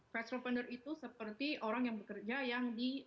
first responder itu seperti orang yang bekerja yang di sembilan ratus sebelas